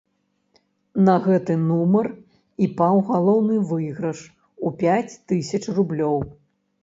На гэты нумар і паў галоўны выйгрыш у пяць тысяч рублёў.